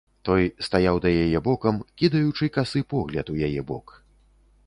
Той стаяў да яе бокам, кідаючы касы погляд у яе бок.